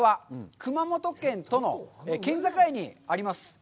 熊本県との県境にあります。